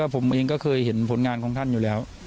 ผมเองก็เคยเห็นผลงานของท่านอยู่แล้ว